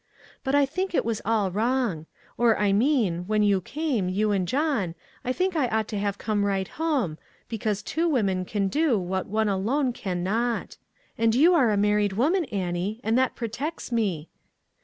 But I think it was all wrong. Or I mean, when you came, } ou and John, I think I ought to have come right home, because two women can do what one alone can not. And } ou are a married woman, Annie, and that protects me."